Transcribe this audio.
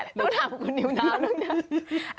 ต้องถามคุณนิวน้ำนึงนะ